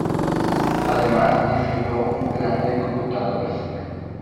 Además diseñó un plano de computadoras.